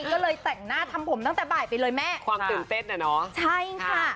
ก็เลยแต่งหน้าทำผมตั้งแต่บ่ายไปเลยแม่ความตื่นเต้นอ่ะเนอะใช่ค่ะ